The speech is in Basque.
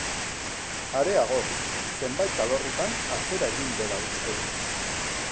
Areago, zenbait alorretan atzera egin dela uste du.